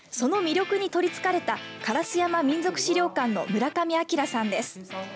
その魅力にとりつかれた烏山民俗資料館の村上明さんです。